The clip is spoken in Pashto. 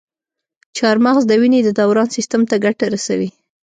چارمغز د وینې د دوران سیستم ته ګټه رسوي.